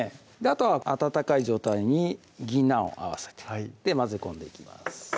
あとは温かい状態にぎんなんを合わせて混ぜ込んでいきます